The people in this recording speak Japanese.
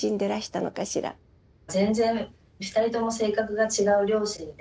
全然２人とも性格が違う両親で。